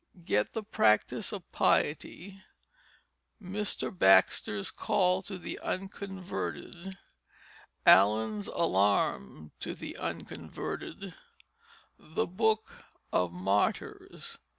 Get the Practice of Piety, Mr. Baxter's call to the Unconverted, Allen's Alarm to the Unconverted, The Book of Martyrs."